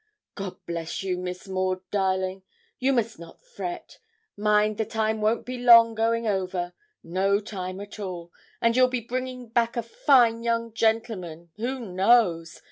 'God bless you, Miss Maud, darling. You must not fret; mind, the time won't be long going over no time at all; and you'll be bringing back a fine young gentleman who knows?